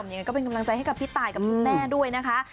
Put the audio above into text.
ยังไงก็เป็นกำลังใจให้กับพี่ตายกับคุณแม่ด้วยนะคะ